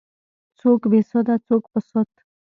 څوک بې سده څوک په سد.